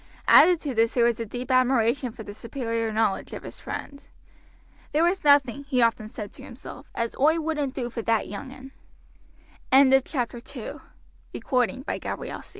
Added to this there was a deep admiration for the superior knowledge of his friend. "There was nothing," he often said to himself, "as oi wouldn't do for that young